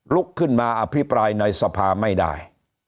ลุกขึ้นมาอภิปรายในสภาไม่ได้